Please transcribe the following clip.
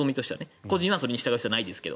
個人はそれに従う必要はないでしょうけど。